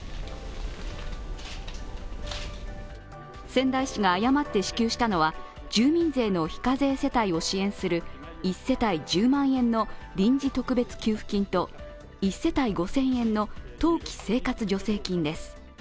仙台市が誤って支給したのは住民税の非課税世帯を支援する１世帯１０万円の臨時特別給付金と１世帯５０００円の冬季生活助成金です